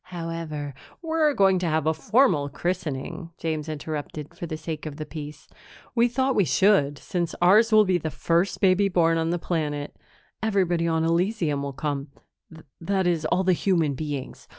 "However " "We're going to have a formal christening," James interrupted, for the sake of the peace. "We thought we should, since ours will be the first baby born on the planet. Everybody on Elysium will come that is, all the human beings.